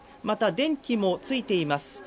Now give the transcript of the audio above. また電気もついています。